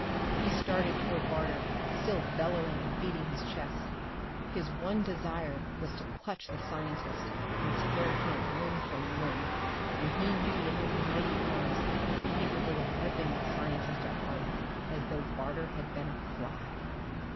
He started toward Barter, still bellowing and beating his chest. His one desire was to clutch the scientist and tear him limb from limb, and he knew that his mighty arms were capable of ripping the scientist apart as though Barter had been a fly.